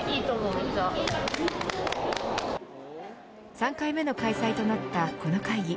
３回目の開催となったこの会議。